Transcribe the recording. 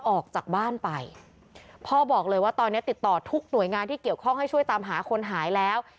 ออกจากบ้านไปพ่อบอกเลยว่าตอนนี้ติดต่อทุกหน่วยงานที่เกี่ยวข้องให้ช่วยตามหาคนหายแล้ว